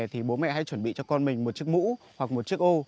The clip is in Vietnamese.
thì bố mẹ hãy chuẩn bị cho con mình một chiếc mũ hoặc một chiếc ô